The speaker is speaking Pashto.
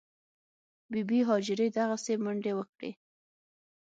بي بي هاجرې دغسې منډې وکړې.